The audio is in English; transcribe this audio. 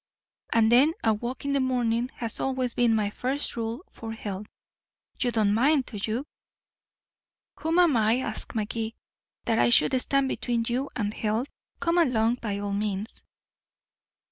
And then a walk in the morning has always been my first rule for health. You don't mind, do you?" "Who am I," asked Magee, "that I should stand between you and health? Come along, by all means."